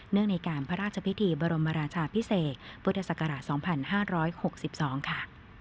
เนื่องในการพระราชพิธีบรมราชาพิเศษพฤศกราช๒๕๖๒ค่ะ